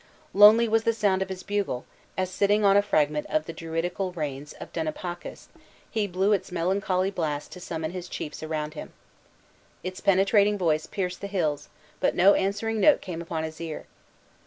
Lonely was the sound of his bugle, as sitting on a fragment of the druidical ruins of Dunipacis, he blew its melancholy blast to summon his chiefs around him. Its penetrating voice pierced the hills, but no answering note came upon his ear.